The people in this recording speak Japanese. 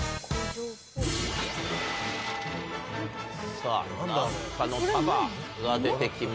さぁ何かの束が出てきましたね。